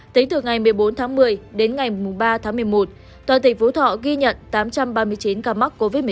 tính từ ngày một mươi bốn một mươi đến ngày ba một mươi một tòa tỉnh phú thỏ ghi nhận tám trăm ba mươi chín ca mắc covid một mươi chín